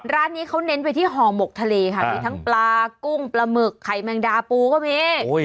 ร้านนี้เขาเน้นไปที่ห่อหมกทะเลค่ะมีทั้งปลากุ้งปลาหมึกไข่แมงดาปูก็มี